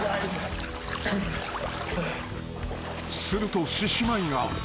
［すると獅子舞が］